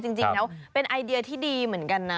จริงแล้วเป็นไอเดียที่ดีเหมือนกันนะ